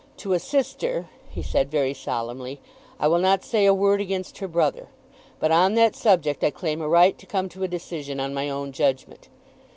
"To a sister," he said very solemnly, "I will not say a word against her brother; but on that subject I claim a right to come to a decision on my own judgment.